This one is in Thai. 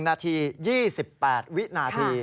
นาที๒๘วินาที